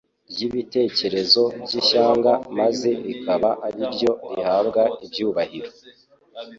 ry'ibitekerezo by'ishyanga maze rikaba ariryo rihabwa ibyubahiro.